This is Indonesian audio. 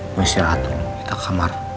gue istirahat dulu kita ke kamar